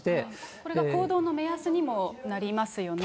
これが行動の目安にもなりますよね。